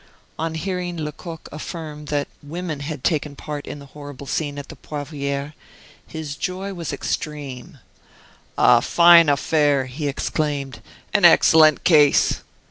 On hearing Lecoq affirm that women had taken part in the horrible scene at the Poivriere, his joy was extreme "A fine affair!" he exclaimed; "an excellent case!"